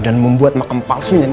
dan membuat makam palsunya nindi